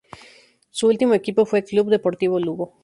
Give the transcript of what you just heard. Su último equipo fue el Club Deportivo Lugo.